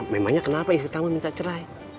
memangnya kenapa istri kamu minta cerai